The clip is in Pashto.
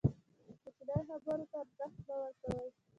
کوچنۍ خبرو ته ارزښت مه ورکوئ!